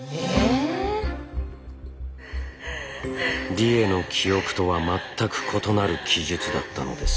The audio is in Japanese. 理栄の記憶とは全く異なる記述だったのです。